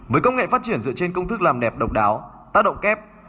với công nghệ phát triển dựa trên công thức làm đẹp độc đáo tác động kép